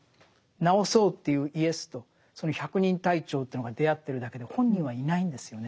治そうというイエスとその百人隊長というのが出会ってるだけで本人はいないんですよね。